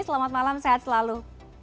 selamat malam sehat selalu